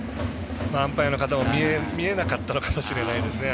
アンパイアの方も見えなかったのかもしれないですね。